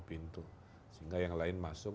pintu sehingga yang lain masuk